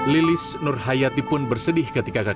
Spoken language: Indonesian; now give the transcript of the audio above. lilis nurhayati pun bersedih ketika kakaknya